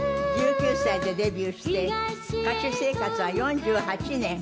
１９歳でデビューして歌手生活は４８年。